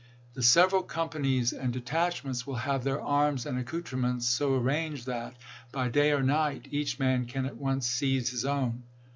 " The several companies and detachments will have their arms and ac couterments so arranged that, by day or night, each man can at once seize his own."